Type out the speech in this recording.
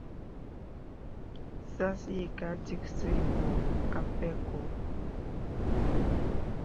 Sās yìkā dìksì wɔ̄ a pɛ kɔ̄.